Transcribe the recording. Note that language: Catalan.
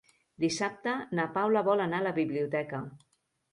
Dissabte na Paula vol anar a la biblioteca.